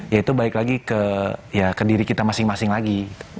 yaitu balik lagi ke diri kita masing masing lagi